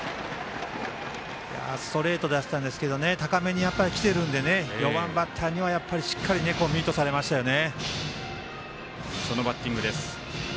ストレート出したんですけど高めにきているので４番バッターにはしっかり、ミートされましたよね。